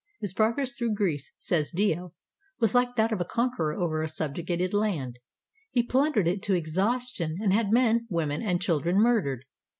His progress through Greece, says 439 ROME Dio, was like that of a conqueror over a subjugated land. "He plundered it to exhaustion, and had men, women, and children murdered.